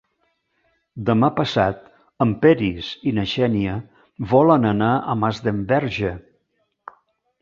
Demà passat en Peris i na Xènia volen anar a Masdenverge.